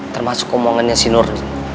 termasuk omongannya si nordin